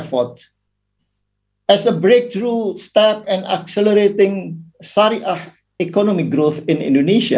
sebagai langkah kejalanan dan mempercepat kekembangan ekonomi sariah di indonesia